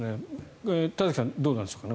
田崎さんどうなんでしょうか。